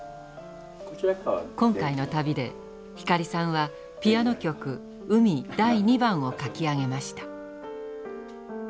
今回の旅で光さんはピアノ曲「海第２番」を書き上げました。